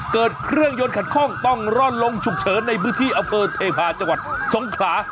เกิดเครื่องยนต์ขัดข้องต้องร่อนลงฉุกเฉินในพื้นที่อำเภอเทพาะจังหวัดสงขลา